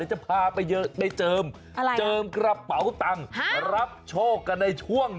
เอาไปเอากระเป๋าตังเลย